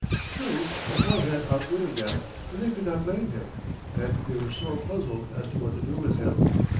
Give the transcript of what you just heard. True, a boy had outwitted them; but they could not blame him, and they were sore puzzled as to what to do with him.